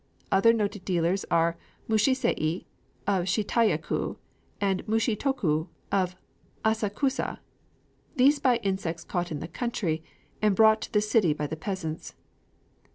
Other noted dealers are Mushi Sei, of Shitaya ku, and Mushi Toku, of Asakusa. These buy insects caught in the country, and brought to the city by the peasants.